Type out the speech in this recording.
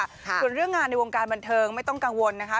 ส่วนเรื่องงานในวงการบันเทิงไม่ต้องกังวลนะคะ